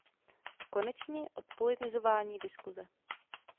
A konečně odpolitizování diskuse.